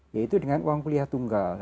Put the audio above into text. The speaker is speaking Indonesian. yaitu dengan uang kuliah tunggal